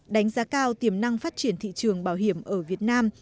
đánh giá cao tiềm năng phát triển thị trường bảo hiểm ở việt nam